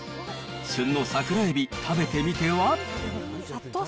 旬の桜エビ、食べてみては？